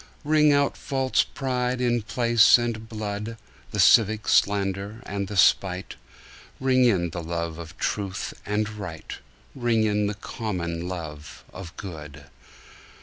Ring out false pride in place and blood, The civic slander and the spite; Ring in the love of truth and right, Ring in the common love of good.